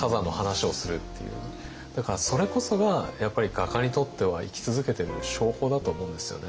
だからそれこそがやっぱり画家にとっては生き続けてる証拠だと思うんですよね。